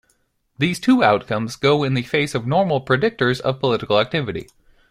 These two outcomes go in the face of normal predictors of political activity.